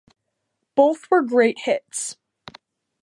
Both were great hits.